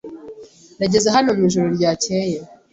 Nageze hano mwijoro ryakeye.